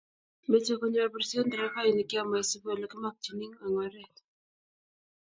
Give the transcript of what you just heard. meche konyor birset nderefainik yoo maisup olegimakchini eng oret